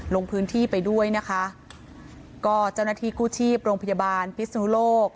ลงพื้นที่ไปด้วยนะคะก็เจ้าหน้าที่กู้ชีพโรงพยาบาลพิศนุโลก